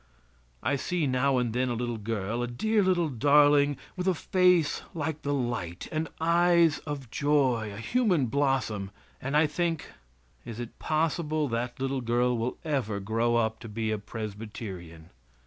I see now and then a little girl a dear little darling, with a face like the light, and eyes of joy, a human blossom, and I think, "is it possible that little girl will ever grow up to be a Presbyterian?"